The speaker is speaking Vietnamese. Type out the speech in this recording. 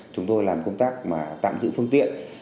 chúng tôi làm công tác tạm giữ phương tiện